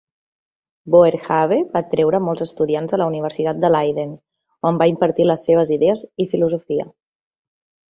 Boerhaave va atreure molts estudiants a la Universitat de Leiden, on va impartir les seves idees i filosofia.